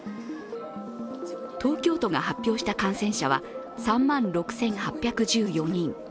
東京都が発表した感染者は３万６８１４人。